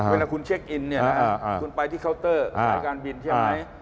เวลาคุณเช็คอินคุณไปที่เคาน์เตอร์หาที่การบินใช่ไหม